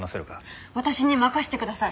私に任せてください。